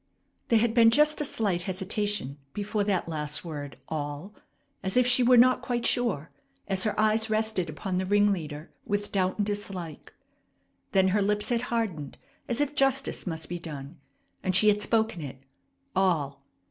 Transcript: There had been just a slight hesitation before that last word "all," as if she were not quite sure, as her eyes rested upon the ringleader with doubt and dislike; then her lips had hardened as if justice must be done, and she had spoken it, "all!"